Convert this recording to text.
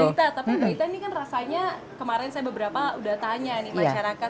mbak ita tapi mbak ita ini kan rasanya kemarin saya beberapa udah tanya nih masyarakat